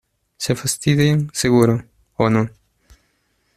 se fastidian. seguro . o no .